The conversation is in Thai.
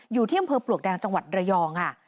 อยู่ที่อำเภอปลวกแดงจังหวัดระยองค่ะ